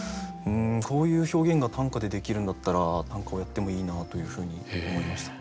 こういう表現が短歌でできるんだったら短歌をやってもいいなというふうに思いました。